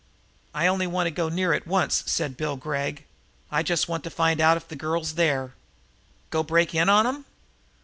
"I only want to go near once," said Bill Gregg. "I just want to find out if the girl is there." "Go break in on 'em?"